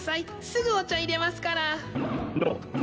すぐお茶入れますから。